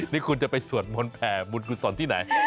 นี่คุณจะไปสวดมนต์แผ่บุญกุศลที่ไหน